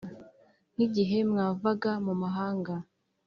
Nk`igihe mwavaga mu mahanga